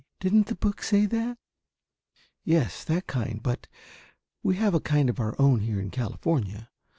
"Didn't the book say that?" "Yes, that kind; but we have a kind of our own here in California.